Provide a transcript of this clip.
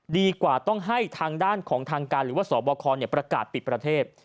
ดีกว่าต้องให้ทางด้านของทางการหรือว่าสบคประกาศปิดประเทศ